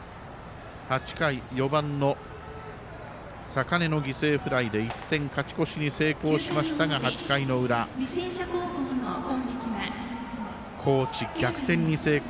８回、４番の坂根の犠牲フライで１点、勝ち越しに成功しましたが８回の裏、高知逆転に成功。